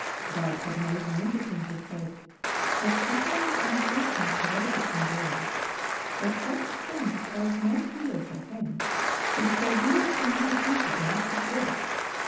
God had made known to him, he said, that suffering and afflictions awaited him there, but such things held no fear for him if so be it he might do his Master's work.